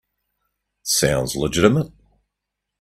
Sounds legitimate.